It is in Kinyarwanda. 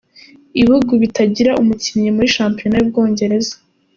Ibihugu bitagira umukinnyi muri shampiyona y’u Bwongereza.